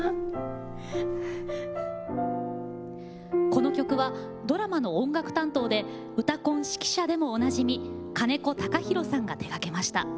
この曲はドラマの音楽担当で「うたコン」指揮者でもおなじみ金子隆博さんが手がけました。